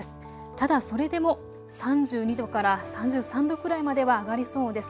ただ、それでも３２度から３３度くらいまでは上がりそうです。